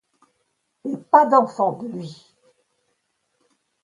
Et pas d’enfant de lui !